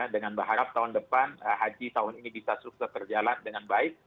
dengan berharap tahun depan haji tahun ini bisa sukses terjalan dengan baik